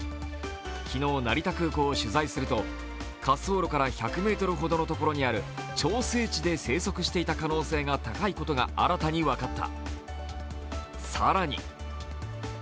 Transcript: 昨日、成田空港を取材すると滑走路から１００ｍほどのところにある調整池で生息していた可能性が高いことが新たに分かった。